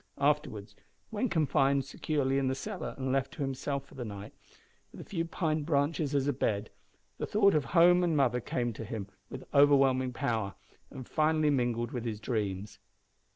Afterwards, when confined securely in the cellar and left to himself for the night, with a few pine branches as a bed, the thought of home and mother came to him with overwhelming power, and finally mingled with his dreams.